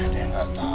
dia ga tau